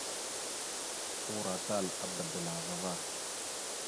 Uroatal a bbadalava va.